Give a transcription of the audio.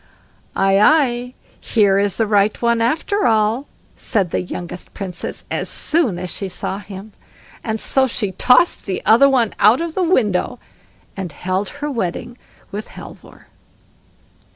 "Aye, aye, here is the right one after all", said the youngest Princess as soon as she saw him, and so she tossed the other one out of the window, and held her wedding with Halvor.